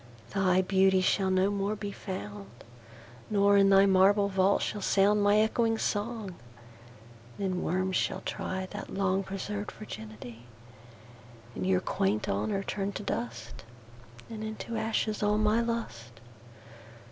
Thy Beauty shall no more be found; Nor, in thy marble Vault, shall soundMy ecchoing Song: then Worms shall tryThat long preserv'd Virginity:And your quaint Honour turn to dust; And into ashes all my Lust.